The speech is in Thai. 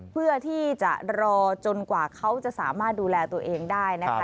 เพื่อที่จะรอจนกว่าเขาจะสามารถดูแลตัวเองได้นะคะ